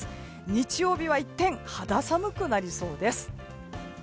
日曜日は一転肌寒くなりそうです。